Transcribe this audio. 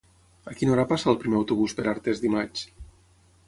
A quina hora passa el primer autobús per Artés dimarts?